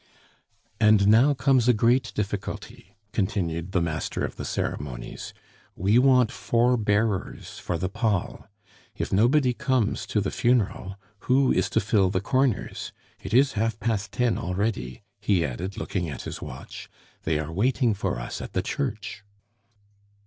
"And now comes a great difficulty," continued the master of the ceremonies; "we want four bearers for the pall.... If nobody comes to the funeral, who is to fill the corners? It is half past ten already," he added, looking at his watch; "they are waiting for us at the church."